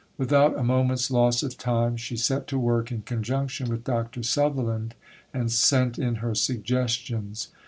Without a moment's loss of time, she set to work in conjunction with Dr. Sutherland, and sent in her suggestions.